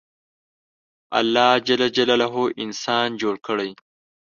الله انسان جوړ کړی.